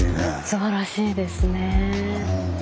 すばらしいですね。